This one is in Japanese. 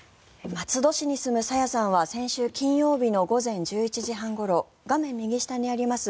松戸市に住む朝芽さんは先週金曜日の午前１１時半ごろ画面右下にあります